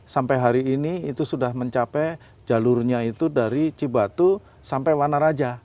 sampai hari ini itu sudah mencapai jalurnya itu dari cibatu sampai wanaraja